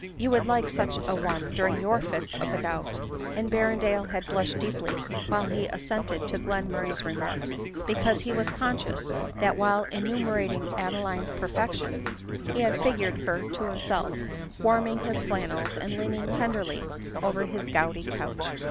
— You would like such a one during your fits of the gout ;" and Berrendale had blushed deeply while he assented to Glenmurray's remarks, because* he was conscious, that while enumerating Adeline's perfections, he had figured her to himself warming his flannels, and leaning tenderly over his gouty couch.